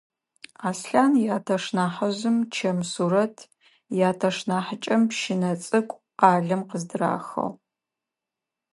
Аслъан ятэш нахьыжъым чэм сурэт, ятэш нахьыкӏэм пщынэ цӏыкӏу къалэм къыздырахыгъ.